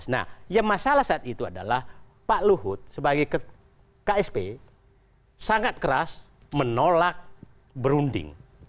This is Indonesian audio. nah yang masalah saat itu adalah pak luhut sebagai ksp sangat keras menolak berunding